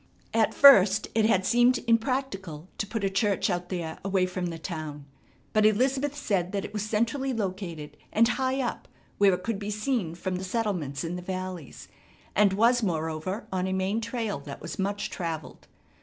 At first it had seemed impractical to put a church out there away from the town, but Elizabeth said that it was centrally located, and high up where it could be seen from the settlements in the valleys, and was moreover on a main trail that was much travelled.